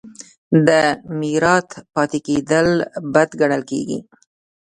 د میرات پاتې کیدل بد ګڼل کیږي.